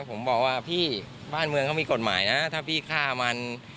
ผมบอกว่าพี่บ้านเมืองเขามีกฎหมายนะถ้าพี่ฆ่ามัน